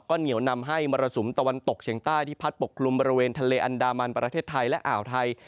ก็เหนียวนำให้มรสุมตะวันตกเฉียงใต้ที่พัดปกกลุ่มบริเวณทะเลอันดามันประเทศไทยและอ่าวไทย